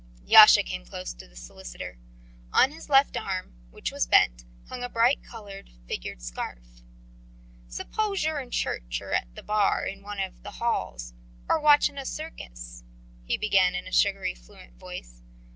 Yasha came close to the solicitor. On his left arm, which was bent, hung a bright coloured, figured scarf. "Suppose yer in church or at the bar in one of the halls, or watchin' a circus," he began in a sugary, fluent voice.